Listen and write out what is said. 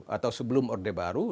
atau sebelum orde baru